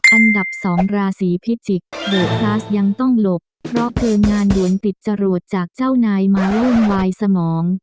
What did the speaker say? อันดับ๒ราศีพิจิกษ์โบคลาสยังต้องหลบเพราะเกินงานด่วนติดจรวดจากเจ้านายมาวุ่นวายสมอง